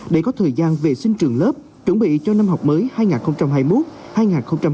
để có thời gian vệ sinh trường lớp chuẩn bị cho năm học mới hai nghìn hai mươi một hai nghìn hai mươi năm